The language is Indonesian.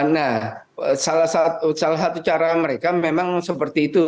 nah salah satu cara mereka memang seperti itu